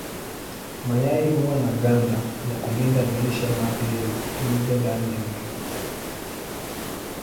Mayai huwa na ganda ya kulinda maisha mapya ya kiumbe ndani yake.